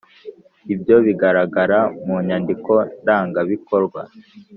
Ibyo bigaragara mu nyandiko ndangabikorwa